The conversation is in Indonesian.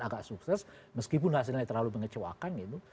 agak sukses meskipun hasilnya terlalu mengecewakan gitu